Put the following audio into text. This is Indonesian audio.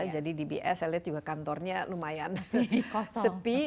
jadi dbs saya lihat juga kantornya lumayan sepi